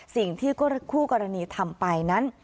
สิ่งที่คู่กรณีทำไปนั้น